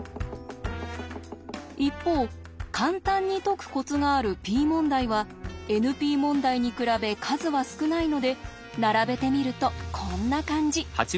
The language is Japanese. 一方簡単に解くコツがあるＰ問題はＮＰ問題に比べ数は少ないので並べてみるとこんな感じ。